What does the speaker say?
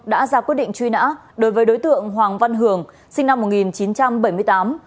đã ra quyết định truy nã đối với đối tượng hoàng văn hường sinh năm một nghìn chín trăm bảy mươi tám